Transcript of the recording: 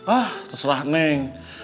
ah terserah neng